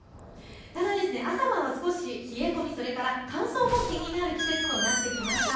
ただ朝晩は少し冷え込み乾燥も気になる季節となってきました。